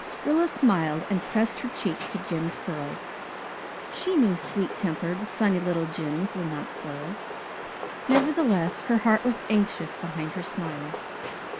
Rilla smiled and pressed her cheek to Jims' curls. She knew sweet tempered, sunny, little Jims was not spoiled. Nevertheless her heart was anxious behind her smile.